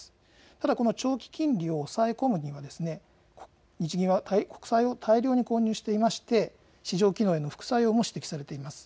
ただ、この長期金利を抑え込むには日銀は国債を大量に購入していまして、市場機能への副作用も指摘されています。